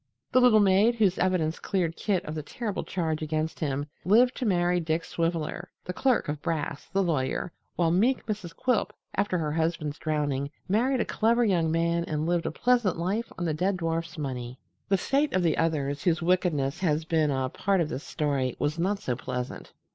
The little maid whose evidence cleared Kit of the terrible charge against him lived to marry Dick Swiveller, the clerk of Brass, the lawyer, while meek Mrs. Quilp, after her husband's drowning, married a clever young man and lived a pleasant life on the dead dwarf's money. The fate of the others, whose wickedness has been a part of this story, was not so pleasant.